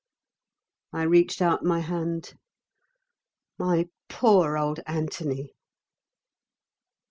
I reached out my hand. "My poor old Anthony!"